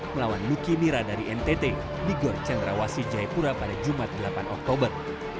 melawan luki mira dari ntt di gor cendrawasi jayapura pada jumat delapan oktober